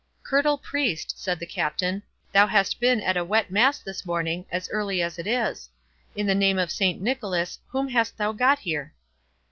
"Curtal Priest," said the Captain, "thou hast been at a wet mass this morning, as early as it is. In the name of Saint Nicholas, whom hast thou got here?"